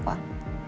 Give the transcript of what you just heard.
pada saat kecelakaan